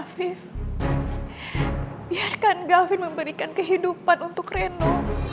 afif biarkan gafin memberikan kehidupan untuk reno